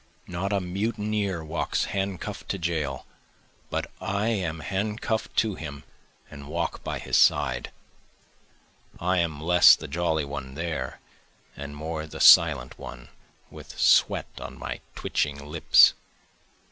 Not a mutineer walks handcuff'd to jail but I am handcuff'd to him and walk by his side, (I am less the jolly one there, and more the silent one with sweat on my twitching lips.)